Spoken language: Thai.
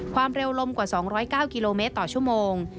ความเร็วลมกว่า๒๐๙กิโลเมตรต่อชั่วโมง